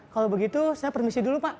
kalau begitu saya permisi dulu pak